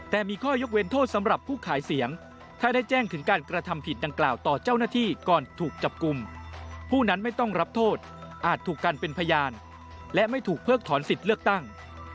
แต่มีข้อยกเว้นโทษสำหรับผู้ขายเสียงถ้าได้แจ้งถึงการกระทำผิดดังกล่าวต่อเจ้าหน้าที่ก่อนถูกจับกลุ่มผู้นั้นไม่ต้องรับโทษอาจถูกกันเป็นพยานและไม่ถูกเพิกถอนสิทธิ์เลือกตั้ง